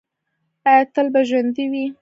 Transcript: او تل به ژوندی وي.